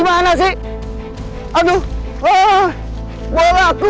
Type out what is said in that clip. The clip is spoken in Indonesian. kamu gimana sih aduh bohong aku